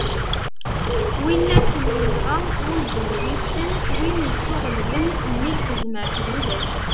win akken yenɣa "wuzzu n wissen", win ittuɣellben : nnig tezmert d ulac